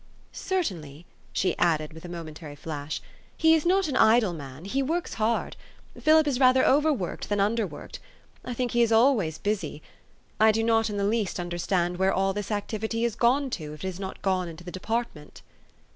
"Certainty," she added with a momentary flash, "he is not an idle man: he works hard. Philip is rather overworked than underworked. I think he is always busy. I do not in the least understand where all this activity has gone to, if it has not gone into the department."